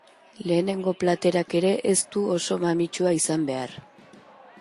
Lehenengo platerak ere ez du oso mamitsua izan behar.